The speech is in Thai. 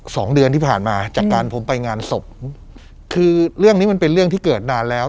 สองเดือนที่ผ่านมาจากการผมไปงานศพคือเรื่องนี้มันเป็นเรื่องที่เกิดนานแล้ว